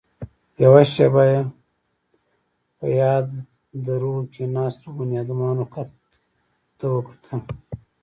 يوه شېبه يې په پياده رو کې ناستو بنيادمانو ته وکتل.